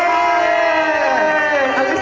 ทุกข้ากัน